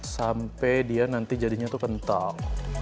sampai dia nanti jadinya tuh kental